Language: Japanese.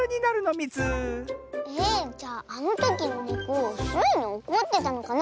えじゃああのときのネコスイにおこってたのかな？